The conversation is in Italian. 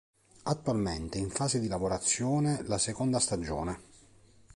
Attualmente è in fase di lavorazione la seconda stagione.